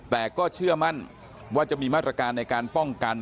แต่ก็เชื่อมั่นว่าจะมีมาตรการในการป้องกัน